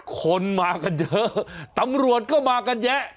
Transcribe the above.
คนมากันเยอะตำรวจก็มากันแยะ